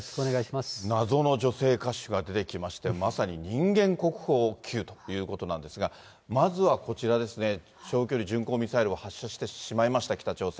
謎の女性歌手が出てきまして、まさに人間国宝級ということなんですが、まずはこちらですね、長距離巡航ミサイルを発射してしまいました、北朝鮮。